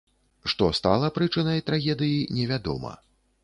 Што стала прычынай трагедыі, невядома.